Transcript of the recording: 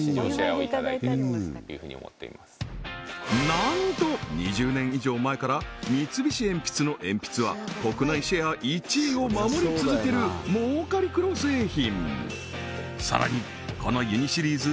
なんと２０年以上前から三菱鉛筆の鉛筆は国内シェア１位を守り続ける儲かり黒製品